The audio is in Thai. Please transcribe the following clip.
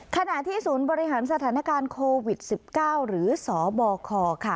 ขณะที่ศูนย์บริหารสถานการณ์โควิด๑๙หรือสบคค่ะ